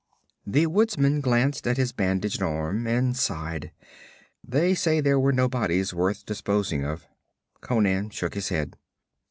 The woodsman glanced at his bandaged arm and sighed. 'They say there were no bodies worth disposing of.' Conan shook his head.